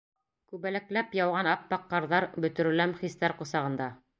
Күбәләкләп яуған ап-аҡ ҡарҙар Бөтөрөләм хистәр ҡосағында.